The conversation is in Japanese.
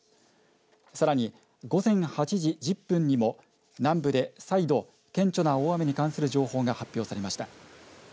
さらに午前８時１０分にも南部で再度、顕著な大雨に関する情報が発表されました。